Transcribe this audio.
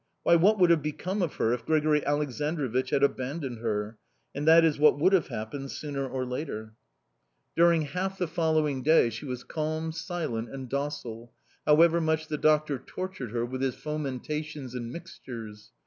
Why, what would have become of her if Grigori Aleksandrovich had abandoned her? And that is what would have happened, sooner or later. "During half the following day she was calm, silent and docile, however much the doctor tortured her with his fomentations and mixtures.